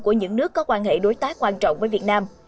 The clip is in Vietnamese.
của những nước có quan hệ đối tác quan trọng với việt nam